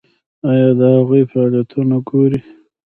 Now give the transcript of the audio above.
ایا د هغوی فعالیتونه ګورئ؟